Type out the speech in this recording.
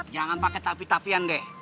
jangan pakai tapi tapian deh